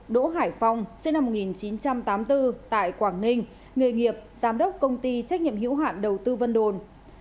đỗ hải phong sinh năm một nghìn chín trăm tám mươi bốn tại quảng ninh nghề nghiệp giám đốc công ty trách nhiệm hữu hạn đầu tư vân đồn